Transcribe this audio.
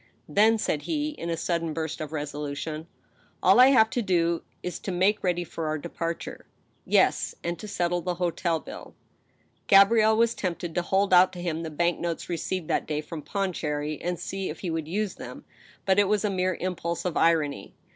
'" Then," said he, in a sudden burst of resolution, " all I have to do is to make ready for our departure." " Yes ; and to settle the hotel bill." Gabrielle was tempted to hold out to him the bank notes received that day from Pondicherry, and see if he would use them ; but it was a mere impulse of irony.